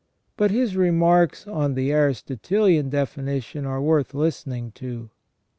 But his remarks on the Aristotelian definition are worth listening to.